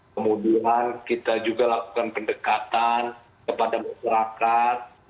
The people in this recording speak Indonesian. kemudian kita juga lakukan pendekatan kepada masyarakat